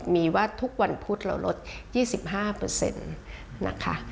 มีว่าทุกวันพุธเราลด๒๕นะคะ